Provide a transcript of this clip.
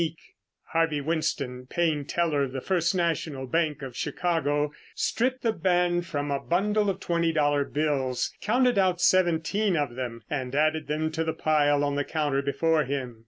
_"] Harvey Winston, paying teller of the First National Bank of Chicago, stripped the band from a bundle of twenty dollar bills, counted out seventeen of them and added them to the pile on the counter before him.